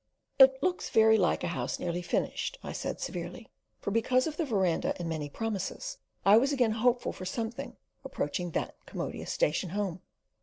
"It looks very like a house nearly finished," I said severely; for, because of the verandah and many promises, I was again hopeful for something approaching that commodious station home.